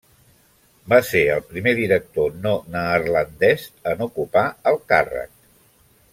Va ser el primer director no neerlandès en ocupar el càrrec.